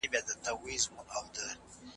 ځینې افغانان قانوني اسناد لري.